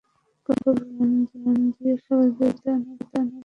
কোনো সাক্ষ্যপ্রমাণ দিয়ে খালেদা জিয়ার বিরুদ্ধে আনা অভিযোগ প্রমাণ করতে পারেনি দুদক।